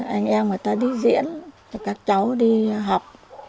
anh em người ta đi diễn các cháu đi học